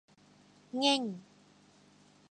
แง่ง !